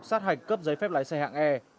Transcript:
xác hạch cấp giấy phép lái xe hạng e